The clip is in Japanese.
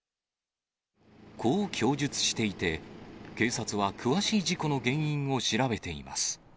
こう供述していて、警察は詳しい事故の原因を調べています。